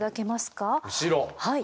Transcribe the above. はい。